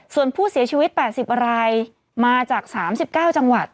ส่วนผู้เสียชีวิต๘๐รายมาจาก๓๙จังหวัด